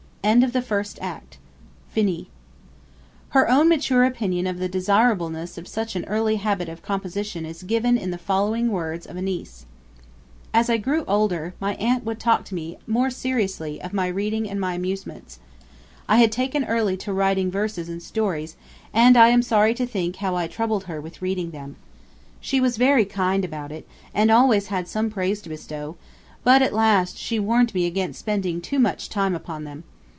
END OF THE FIRST ACT. FINIS. Her own mature opinion of the desirableness of such an early habit of composition is given in the following words of a niece: 'As I grew older, my aunt would talk to me more seriously of my reading and my amusements. I had taken early to writing verses and stories, and I am sorry to think how I troubled her with reading them. She was very kind about it, and always had some praise to bestow, but at last she warned me against spending too much time upon them.